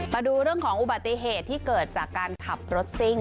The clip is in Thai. มาดูเรื่องของอุบัติเหตุที่เกิดจากการขับรถซิ่ง